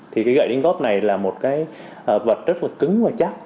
thì cái gậy đánh góp này là một cái vật rất là cứng và chắc